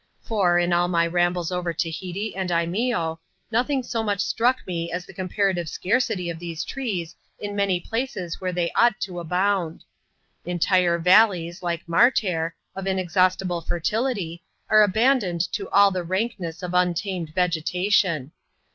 For, in all my ram bles over Tahiti and Imeeo, nothing so much struck me as the comparative scarcity of these trees in many places where they ought to abound. Entire valleys, like"'Martair, of inexhausti ble fertility, are abandoned to all the rankness of untamed vegetation.